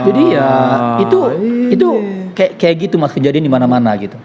jadi ya itu kayak gitu mas kejadian dimana mana gitu